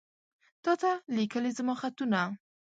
تاته ليکلي زما خطونه